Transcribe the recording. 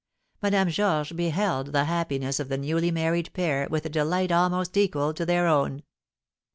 Madame Georges beheld the happiness of the newly married pair with a delight almost equal to their own.